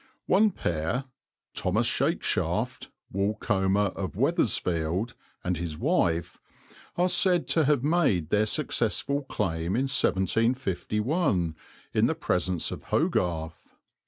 One pair, Thomas Shakeshaft, Woolcomber of Weathersfield, and his wife, are said to have made their successful claim in 1751 in the presence of Hogarth.